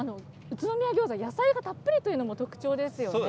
宇都宮餃子、野菜がたっぷりというのも特徴ですよね。